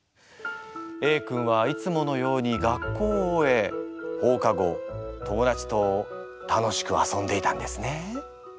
Ａ君はいつものように学校を終え放課後友だちと楽しく遊んでいたんですね。